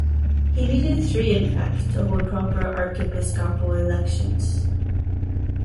He needed three in fact to hold proper Archiepiscopal elections.